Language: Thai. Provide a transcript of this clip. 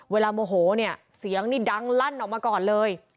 โมโหเนี่ยเสียงนี่ดังลั่นออกมาก่อนเลย